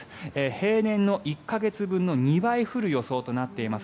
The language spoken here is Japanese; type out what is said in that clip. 平年の１か月分の２倍降る予想となっています。